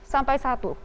sampai satu